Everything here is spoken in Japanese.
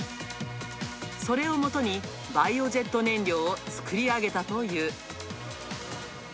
それをもとに、バイオジェット燃料を作り上げたという。